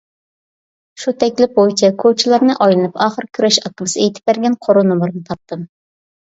شۇ تەكلىپ بويىچە كوچىلارنى ئايلىنىپ ئاخىر كۈرەش ئاكىمىز ئېيتىپ بەرگەن قورۇ نومۇرىنى تاپتىم.